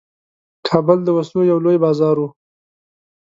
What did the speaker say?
کابل د وسلو یو لوی بازار وو.